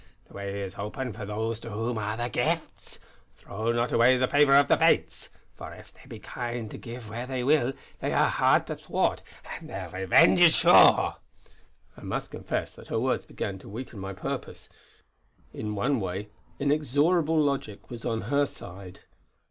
The way is open for those to whom are the Gifts. Throw not away the favour of the Fates. For if they be kind to give where they will, they are hard to thwart, and their revenge is sure!" I must confess that her words began to weaken my purpose. In one way inexorable logic was on her side.